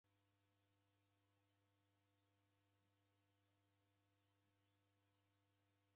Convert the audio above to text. Mando menmgi w'andu w'atini wamenywa kwa siasa.